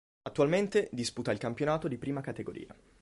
Attualmente disputa il campionato di Prima Categoria.